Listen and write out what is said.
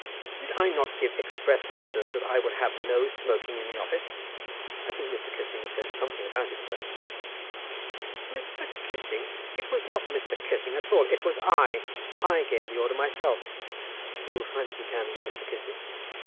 "Did I not give express orders that I would have no smoking in the office?" "I think Mr. Kissing said something about it, sir." "Mr. Kissing! It was not Mr. Kissing at all. It was I. I gave the order myself." "You'll find it began with Mr. Kissing."